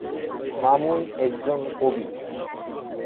মামুন একজন কবি।